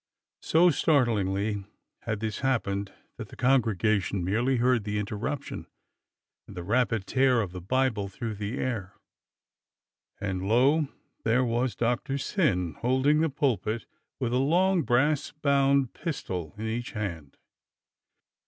So startlingly had this happened that the congregation merely heard the interruption and the rapid tear of the Bible through the air, and lo! there was Doctor Syn holding the pulpit with a long brass bound pistol in each hand.